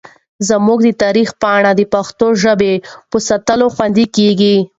زموږ د تاریخ پاڼې د پښتو ژبې په ساتلو خوندي کېږي.